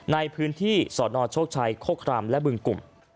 ในพื้นที่ส่วนนอร์ชกชัยโคกรามและบึงกลุ่ม